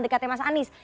dekatnya mas anies